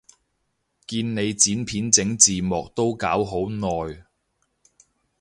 見你剪片整字幕都搞好耐